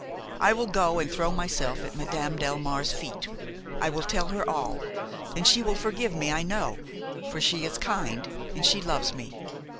I will go and throw myself at Madame Delmare's feet; I will tell her all, and she will forgive me, I know, for she is kind and she loves me.